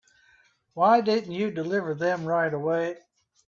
Why didn't you deliver them right away?